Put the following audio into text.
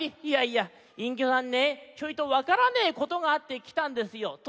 「いやいや隠居さんねちょいとわからねえことがあってきたんですよ。